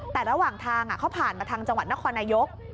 แต่ระหว่างทางเขาผ่านมาทางจังหวัดนครนายก